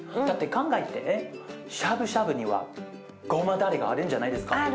だって考えてしゃぶしゃぶにはごまだれがあるんじゃないですか？